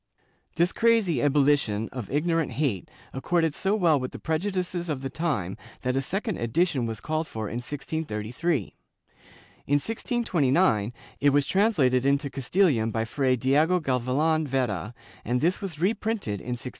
^ This crazy ebul lition of ignorant hate accorded so well with the prejudices of the time that a second edition was called for in 1633; in 1629 it was translated into Castilian by Fray Diego Gavilan Vera, and this was reprinted in 1680.